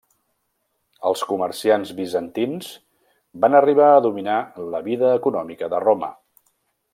Els comerciants bizantins van arribar a dominar la vida econòmica de Roma.